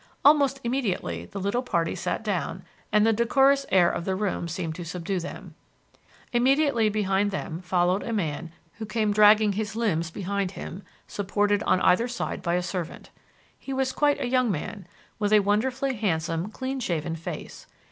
Almost immediately the little party sat down, and the decorous air of the room seemed to subdue them. Immediately behind them followed a man who came dragging his limbs behind him, supported on either side by a servant. He was quite a young man, with a wonderfully handsome, clean shaven face.